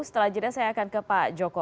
setelah jeda saya akan ke pak joko